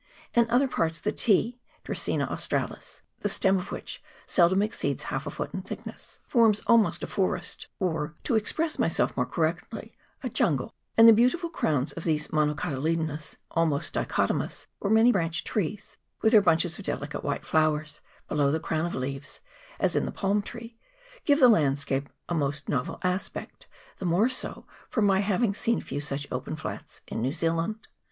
In other parts the ti (Dracaena Australis), the stem of which seldom exceeds half a foot in thickness, forms almost a forest, or, to express myself more 214 EXCURSION TO [PART II. correctly, a jungle ; and the beautiful crowns of these monocotyledonous, mostly dichotomous, or many branched trees, with their bunches of delicate white flowers below the crown of leaves, as in the palm tree, give the landscape a most novel aspect, the more so from my having seen few such open flats in New Zealand.